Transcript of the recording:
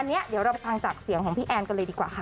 อันนี้เดี๋ยวเราไปฟังจากเสียงของพี่แอนกันเลยดีกว่าค่ะ